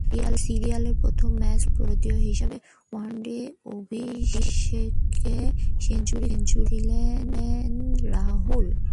সিরিজের প্রথম ম্যাচে প্রথম ভারতীয় হিসেবে ওয়ানডে অভিষেকে সেঞ্চুরি করেছিলেন রাহুল।